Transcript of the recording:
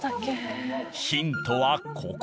ヒントはここ。